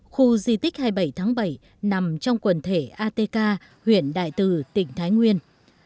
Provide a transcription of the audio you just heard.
khu di tích hai mươi bảy tháng bảy nằm trong quần thể atk huyện đại từ tỉnh thái nguyên